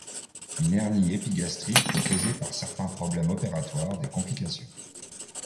Une hernie épigastrique, peut causer par certains problèmes opératoires, des complications.